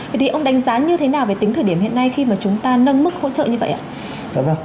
vậy thì ông đánh giá như thế nào về tính thời điểm hiện nay khi mà chúng ta nâng mức hỗ trợ như vậy ạ